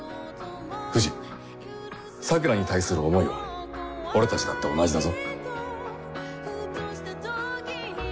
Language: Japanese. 藤桜に対する思いは俺たちだって同じだぞ。